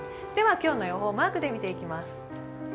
では、今日の予報をマークで見ていきます。